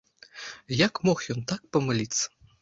Як мог ён так памыліцца?